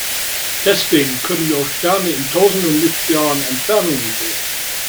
Deswegen können wir auch Sterne in tausenden Lichtjahren Entfernung sehen.